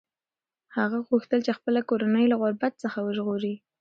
هغه غوښتل چې خپله کورنۍ له غربت څخه وژغوري.